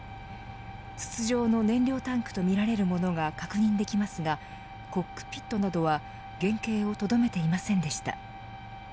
筒状の燃料タンクとみられるものが確認できますがコックピットなどは原型を留めていませんでした。